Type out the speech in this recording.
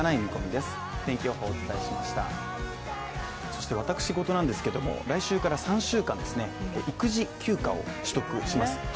そして私事なんですけども、来週から３週間育児休暇を取得します。